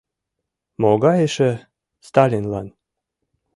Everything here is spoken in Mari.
— Могай эше Сталинлан?